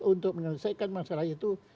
untuk menyelesaikan masalah itu